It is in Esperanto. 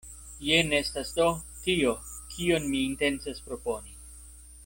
Jen estas do tio, kion mi intencas proponi.